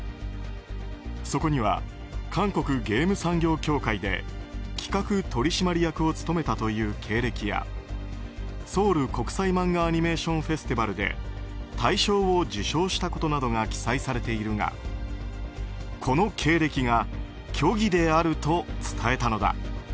そこには韓国ゲーム産業協会で企画取締役を務めたという経歴やソウル国際漫画アニメーションフェスティバルで大賞を受賞したことなどが記載されているがこの経歴が虚偽であると伝えたのだ。